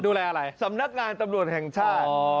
อะไรสำนักงานตำรวจแห่งชาติ